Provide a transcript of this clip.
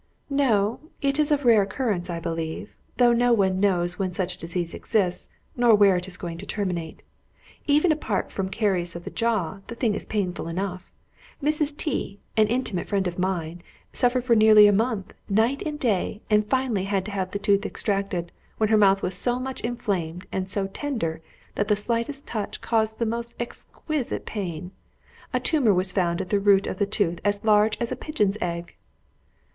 "No. It is of rare occurrence, I believe. Though no one knows when such a disease exists, nor where it is going to terminate. Even apart from caries of the jaw, the thing is painful enough. Mrs. T , an intimate friend of mine, suffered for nearly a mouth, night and day, and finally had to have the tooth extracted, when her mouth was so much inflamed, and so tender, that the slightest touch caused the most exquisite pain. A tumor was found at the root of the tooth as large as a pigeon's egg!"